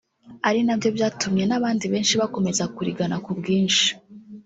ari nabyo byatumye n’abandi benshi bakomeza kurigana ku bwinshi